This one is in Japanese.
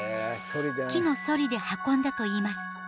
木のそりで運んだといいます。